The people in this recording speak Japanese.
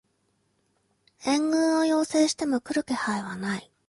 援軍を要請しても来る気配はない